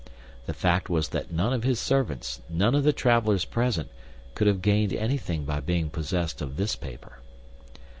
The fact was that none of his servants, none of the travelers present, could have gained anything by being possessed of this paper.